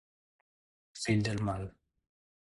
Fill del mal.